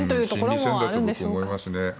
心理戦だと僕は思いますね。